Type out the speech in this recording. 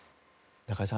中井さん